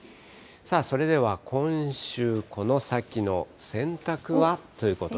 それでは今週、この先の洗濯は？ということで。